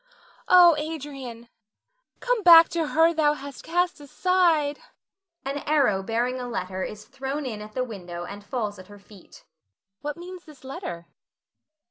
Oh, Adrian, come back to her thou hast cast aside. [An arrow bearing a letter is thrown in at the window and falls at her feet.] What means this letter?